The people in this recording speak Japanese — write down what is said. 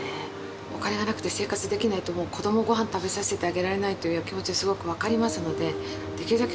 お金がなくて生活できないと、もう子どもをごはん食べさせてあげられないという気持ちはすごく分かりますので、できるだけ、